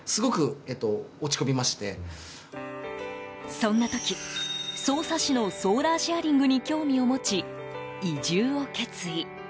そんな時、匝瑳市のソーラーシェアリングに興味を持ち移住を決意。